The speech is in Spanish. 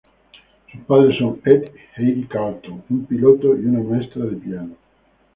Sus padres son Ed y Heidi Carlton, un piloto y una maestra de piano.